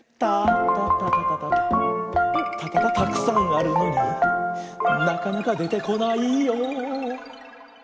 たたたたたたたたたくさんあるのになかなかでてこないよ。